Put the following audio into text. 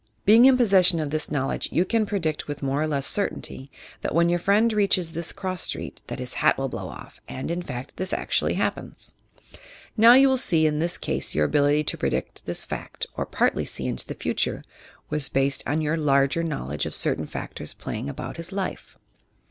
Being in possession of this knowledge, you can predict with more or less certainty that when your friend reaches this cross street, his hat will be blown off, and, in fact, this actually happens. Now, you will see, in this ease your ability to predict this fact (or partly see into the future) was based on your larger knowledge of certain factors playing about his life.